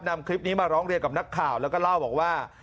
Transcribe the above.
นำคลิปนี้มาร้องเรียนกับนักข่าวแล้วก็เล่าบอกว่า